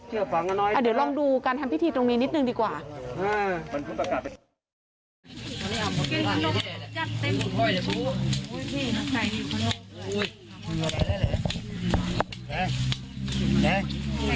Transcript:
เชื่อฟังกันหน่อยอ่ะเดี๋ยวลองดูการทำพิธีตรงนี้นิดหนึ่งดีกว่าอ่า